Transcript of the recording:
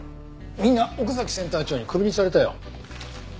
みんな奥崎センター長にクビにされたよ。